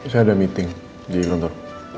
saya ada meeting di kantor